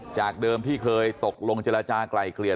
จากเดิมที่เคยตกลงเจรจากลายเกลี่ย